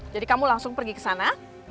jadi kamu langsung pergi kesana